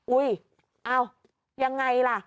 อุ้ยเอ้ายังไงล่ะ